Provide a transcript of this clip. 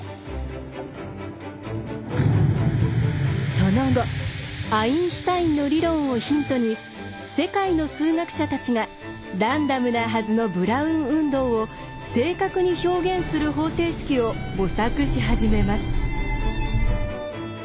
その後アインシュタインの理論をヒントに世界の数学者たちがランダムなはずのブラウン運動を正確に表現する方程式を模索し始めます。